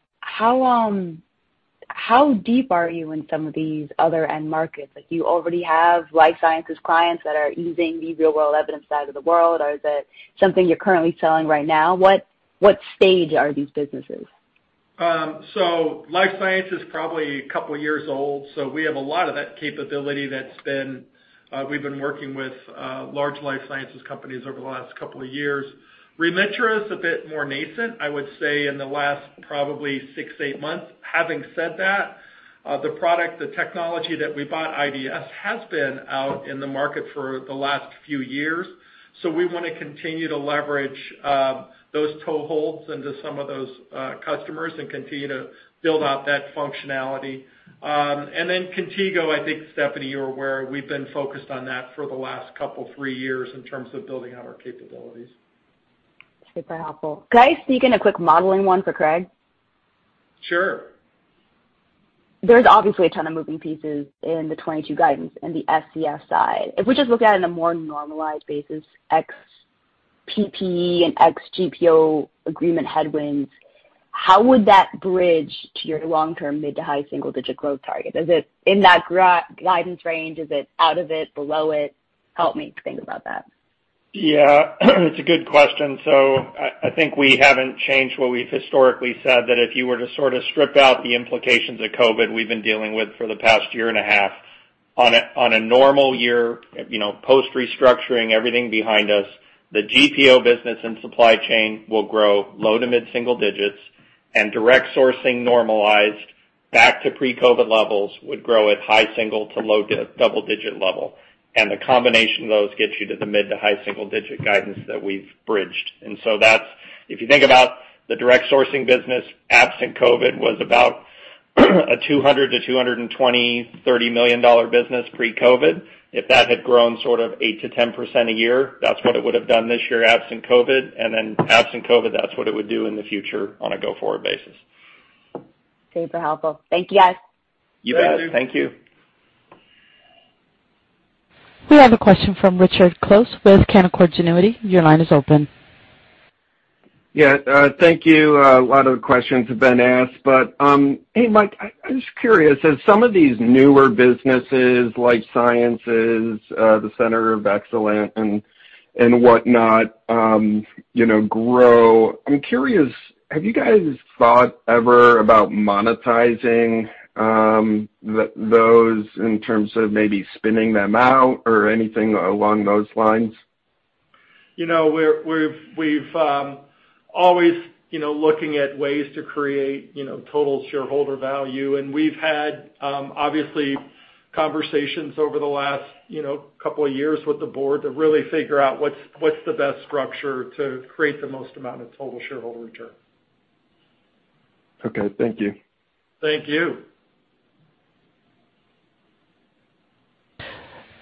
how deep are you in some of these other end markets? You already have life sciences clients that are using the real-world evidence side of the world, or is it something you're currently selling right now? What stage are these businesses? Life science is probably two years old, so we have a lot of that capability. We've been working with large life sciences companies over the last two years. Remitra is a bit more nascent. I would say in the last probably six, eight months. Having said that, the product, the technology that we bought, IDS, has been out in the market for the last few years. We want to continue to leverage those toeholds into some of those customers and continue to build out that functionality. Contigo, I think, Stephanie, you're aware, we've been focused on that for the last two, three years in terms of building out our capabilities. Super helpful. Could I sneak in a quick modeling one for Craig? Sure. There's obviously a ton of moving pieces in the 2022 guidance and the SCS side. If we just look at it in a more normalized basis, ex PPE and ex GPO agreement headwinds, how would that bridge to your long-term mid to high single-digit growth target? Is it in that guidance range? Is it out of it? Below it? Help me think about that. Yeah. It's a good question. I think we haven't changed what we've historically said, that if you were to sort of strip out the implications of COVID we've been dealing with for the past 1.5 years, on a normal year, post-restructuring, everything behind us, the GPO business and supply chain will grow low to mid-single digits, and direct sourcing normalized back to pre-COVID levels would grow at high single to low double-digit level. The combination of those gets you to the mid to high single-digit guidance that we've bridged. That's, if you think about the direct sourcing business, absent COVID, was about a $200 million to $220 million, $30 million business pre-COVID. If that had grown sort of 8%-10% a year, that's what it would have done this year absent COVID. Absent COVID, that's what it would do in the future on a go-forward basis. Super helpful. Thank you, guys. You bet. Thank you. We have a question from Richard Close with Canaccord Genuity. Your line is open. Yeah. Thank you. A lot of the questions have been asked. Hey, Mike, I'm just curious, as some of these newer businesses, life sciences, the center of excellence, and whatnot grow, I'm curious, have you guys thought ever about monetizing those in terms of maybe spinning them out or anything along those lines? We're always looking at ways to create total shareholder value, and we've had, obviously, conversations over the last couple of years with the board to really figure out what's the best structure to create the most amount of total shareholder return. Okay. Thank you. Thank you.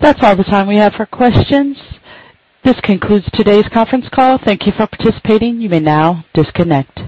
That's all the time we have for questions. This concludes today's conference call. Thank you for participating. You may now disconnect.